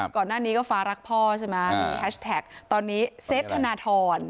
ก่อนหน้านี้ก็ฟ้ารักพ่อใช่ไหมมีแฮชแท็กตอนนี้เซฟธนทร